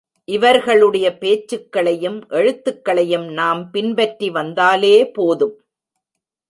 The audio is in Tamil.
இவர்களுடைய பேச்சுக்களையும், எழுத்துக்களையும் நாம் பின்பற்றி வந்தாலே போதும்.